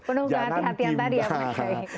penuh kehati hatian tadi ya pak